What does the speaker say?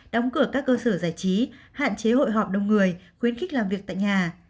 đóng cửa các cơ sở giải trí hạn chế hội họp đông người khuyến khích làm việc tại nhà